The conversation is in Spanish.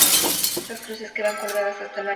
Estas cruces quedan colgadas hasta el año siguiente.